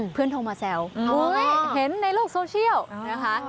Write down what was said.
โทรมาแซวเห็นในโลกโซเชียลนะคะ